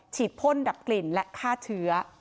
ฉีดพ่นดับกลิ่นและฆ่าเถือ